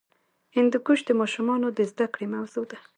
هندوکش د ماشومانو د زده کړې موضوع ده.